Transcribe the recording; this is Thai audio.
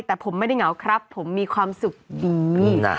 แต่ผมไม่ได้เหงาครับผมมีความสุขดีนะ